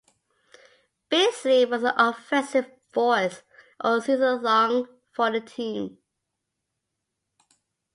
Beasley was an offensive force all season-long for the team.